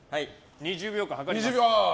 ２０秒間、計ります。